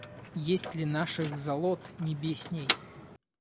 Есть ли наших золот небесней?